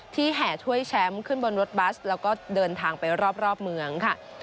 แห่ถ้วยแชมป์ขึ้นบนรถบัสแล้วก็เดินทางไปรอบเมืองค่ะ